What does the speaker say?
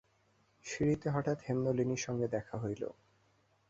সিঁড়িতে হঠাৎ হেমনলিনীর সঙ্গে দেখা হইল।